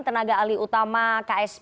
tenaga ali utama ksp